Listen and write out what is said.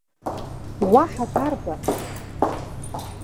Уаҳа дарбан?